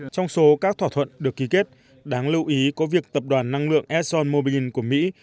trong số các thỏa thuận được ký kết đáng lưu ý có việc tập đoàn năng lượng esson mobil của mỹ